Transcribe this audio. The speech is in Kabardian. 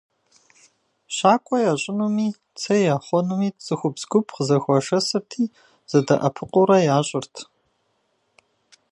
ЩӀакӀуэ ящӀынуми, цей яхъуэнуми цӀыхубз гуп къызэхуашэсырти, зэдэӀэпыкъуурэ ящӀырт.